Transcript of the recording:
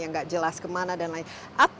yang tidak jelas kemana dan lain lain